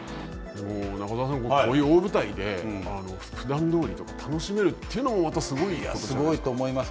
中澤さん、こういう大舞台でふだんどおりとか、楽しめるというすごいと思います。